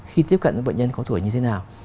khi tiếp cận những bệnh nhân có tuổi như thế nào